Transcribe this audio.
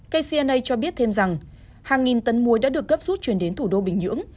kcna cho biết thêm rằng hàng nghìn tấn muối đã được cấp rút chuyển đến thủ đô bình nhưỡng